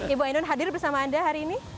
ibu ainun hadir bersama anda hari ini